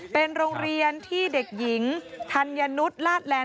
เป็นโรงเรียนที่เด็กหญิงธัญนุษย์ลาดแลนด